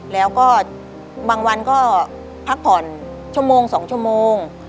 แล้วก็บางวันก็พักผ่อนชั่วโมง๒ชั่วโมง